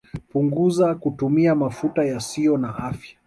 Punguzaa kutumia mafuta yasiyo na afya